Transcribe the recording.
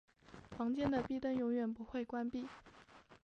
房间的壁灯永远不会关闭。